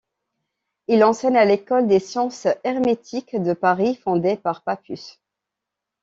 Il enseigne à l'École des Sciences hermétiques de Paris, fondée par Papus.